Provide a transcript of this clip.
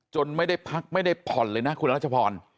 ไม่ได้พักไม่ได้ผ่อนเลยนะคุณรัชพร